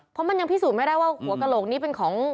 เพราะมันยังพิสูจน์ไม่ได้ว่าหัวกระโหลกนี้เป็นของ